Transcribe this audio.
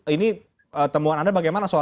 ini temuan anda bagaimana